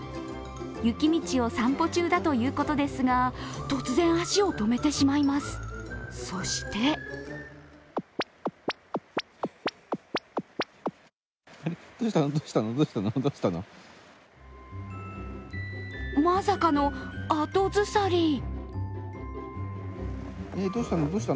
雪道を散歩中だということですが、突然足を止めてしまいます、そしてまさかの後ずさり。